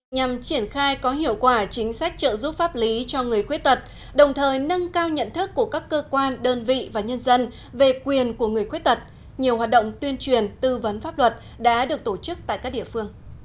nhằm triển khai có hiệu quả chính sách trợ giúp pháp lý cho người khuyết tật đồng thời nâng cao nhận thức của các cơ quan đơn vị và nhân dân về quyền của người khuyết tật nhiều hoạt động tuyên truyền tư vấn pháp luật đã được tổ chức tại các địa phương